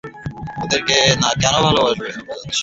ওদেরকে কেন ভালোভাবে বোঝাচ্ছেন?